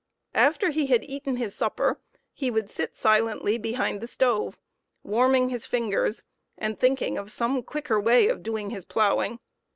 After he had eaten his supper he would sit silently behind the stove, warming his fingers and thinking of some quicker way of doing his ploughing.